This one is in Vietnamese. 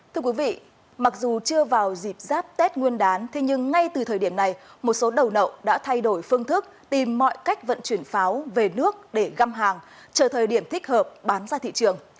thưa quý vị mặc dù chưa vào dịp giáp tết nguyên đán nhưng ngay từ thời điểm này một số đầu nậu đã thay đổi phương thức tìm mọi cách vận chuyển pháo về nước để găm hàng chờ thời điểm thích hợp bán ra thị trường